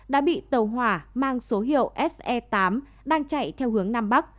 sang số hiệu se tám đang chạy theo hướng nam bắc